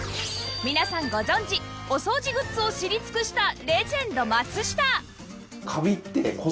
皆さんご存じお掃除グッズを知り尽くしたレジェンド松下